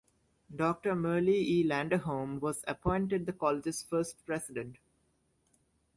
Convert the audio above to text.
Doctor Merle E. Landerholm was appointed the college's first president.